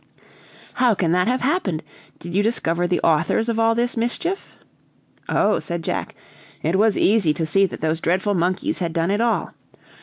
"How can that have happened? Did you discover the authors of all this mischief?" "Oh," said Jack, "it was easy to see that those dreadful monkeys had done it all.